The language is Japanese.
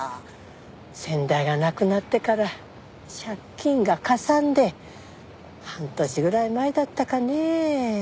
先代が亡くなってから借金がかさんで半年ぐらい前だったかねえ